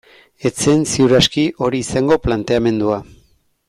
Ez zen, ziur aski, hori izango planteamendua.